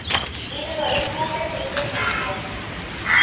இருவரும் கூட்டத்திற்குச் சென்றோம்.